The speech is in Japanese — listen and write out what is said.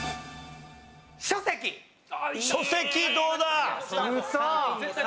書籍どうだ？